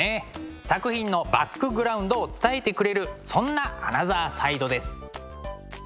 作品のバックグラウンドを伝えてくれるそんなアナザーサイドです。